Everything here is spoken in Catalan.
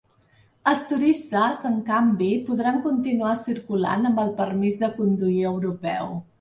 Els turistes, en canvi, podran continuar circulant amb el permís de conduir europeu.